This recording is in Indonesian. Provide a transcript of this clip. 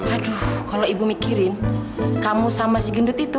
aduh kalau ibu mikirin kamu sama si gendut itu